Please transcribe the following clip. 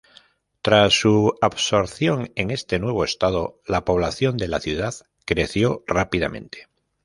Tras su absorción en este nuevo Estado, la población de la ciudad creció rápidamente.